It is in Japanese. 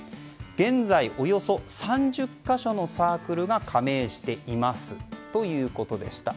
現在およそ３０か所のサークルが加盟していますということでした。